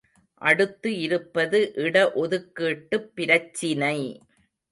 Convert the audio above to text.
அடுத்து இருப்பது இட ஒதுக்கீட்டுப் பிரச்சினை.